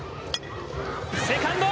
セカンド。